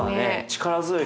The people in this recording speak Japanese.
力強い。